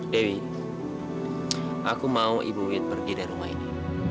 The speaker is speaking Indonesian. dewi aku mau ibu with pergi dari rumah ini